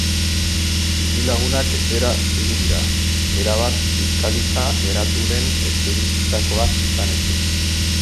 Bizilagunak etxera itzuli dira, erabat kiskalita geratu den etxebizitzakoak izan ezik.